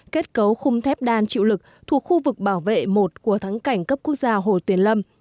kết cấu khung thép đan chịu lực thuộc khu vực bảo vệ một của thắng cảnh cấp quốc gia hồ tuyền lâm